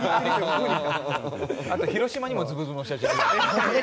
あと広島にもズブズブの社長。